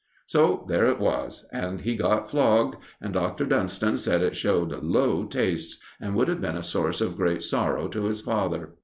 So there it was; and he got flogged, and Dr. Dunston said it showed low tastes, and would have been a source of great sorrow to his father.